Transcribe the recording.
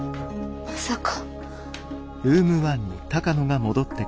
まさか。